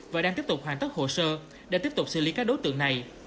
và đang tiếp tục hoàn tất hồ sơ để tiếp tục xử lý các đối tượng này